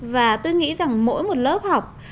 và tôi nghĩ rằng mỗi một lớp học